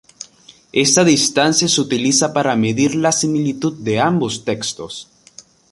Esta distancia se utiliza para medir la similitud de ambos textos.